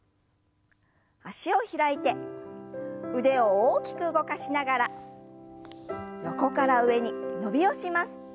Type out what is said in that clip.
脚を開いて腕を大きく動かしながら横から上に伸びをします。